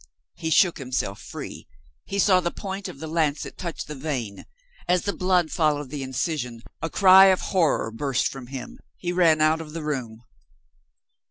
He shook himself free he saw the point of the lancet touch the vein. As the blood followed the incision, a cry of horror burst from him: he ran out of the room.